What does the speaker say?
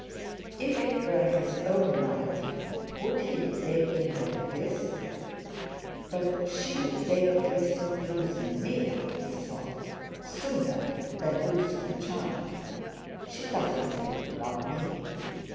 If it were his own life, would he be taking that risk? "But she'd take the risk of losing me," he thought, "sooner than lose her child! She doesn't really love me!"